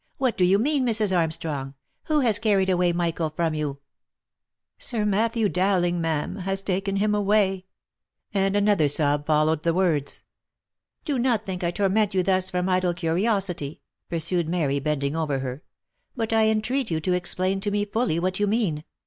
" What do you mean, Mrs. Armstrong ? who has carried away Michael from you ?" "Sir Matthew Dowling, ma'am, has had him taken away," and another sob followed the words. "Do not think I torment you thus from idle curiosity," pursued Mary, bending over her; "but I entreat you to explain to me fully what you mean.